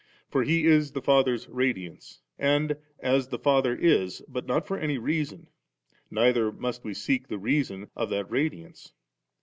For He is the Father's Radiance; and as the Father is, but not for any reason, neither must we seek the reason of that Radiance.